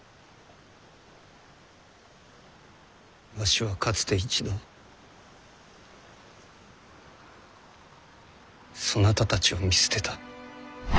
わしはかつて一度そなたたちを見捨てた。